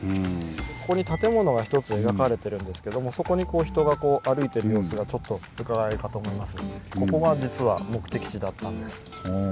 ここに建物が一つ描かれてるんですけどもそこに人が歩いてる様子がちょっとうかがえるかと思います。